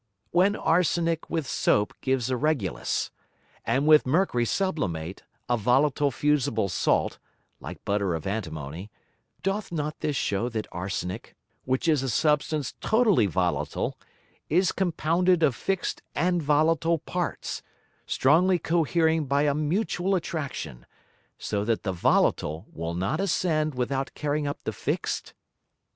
When Arsenick with Soap gives a Regulus, and with Mercury sublimate a volatile fusible Salt, like Butter of Antimony, doth not this shew that Arsenick, which is a Substance totally volatile, is compounded of fix'd and volatile Parts, strongly cohering by a mutual Attraction, so that the volatile will not ascend without carrying up the fixed?